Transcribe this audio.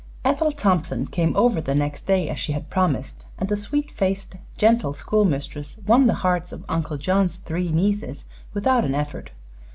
Ethel Thompson came over the next day, as she had promised, and the sweet faced, gentle school mistress won the hearts of Uncle John's three nieces without an effort.